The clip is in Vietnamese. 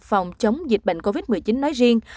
phòng chống dịch bệnh covid một mươi chín nói riêng